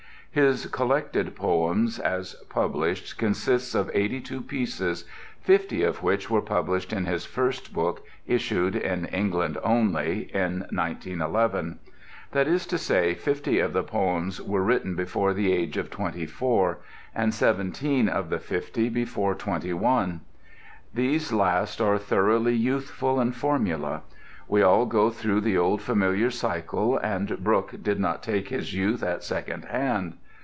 His "Collected Poems" as published consist of eighty two pieces, fifty of which were published in his first book, issued (in England only) in 1911. That is to say fifty of the poems were written before the age of 24, and seventeen of the fifty before 21. These last are thoroughly youthful in formula. We all go through the old familiar cycle, and Brooke did not take his youth at second hand.